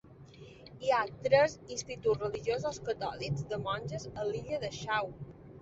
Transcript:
Hi ha tres instituts religiosos catòlics de monges a l'illa de Shaw.